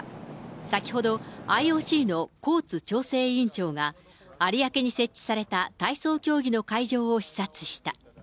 先ほど、ＩＯＣのコーツ調整委員長が、有明に設置された体操競技の会場を視察した。